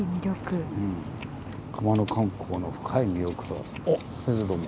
熊野観光の深い魅力とはおっ先生どうも。